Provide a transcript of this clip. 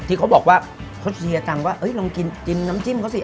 ที่เขาบอกว่าเขาเชียร์จังว่าลองกินน้ำจิ้มเขาสิ